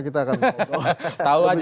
kita akan lebih jelas lagi